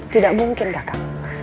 tidak mungkin kakak